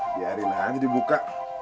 biarin aja dibuka